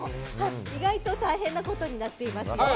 意外と大変なことになっています。